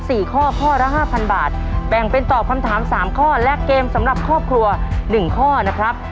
สี่ข้อข้อละห้าพันบาทแบ่งเป็นตอบคำถามสามข้อและเกมสำหรับครอบครัวหนึ่งข้อนะครับ